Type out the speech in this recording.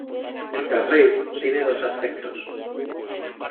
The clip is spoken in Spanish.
El "tawhid" tiene dos aspectos.